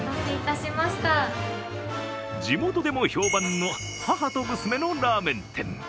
地元でも評判の母と娘のラーメン店。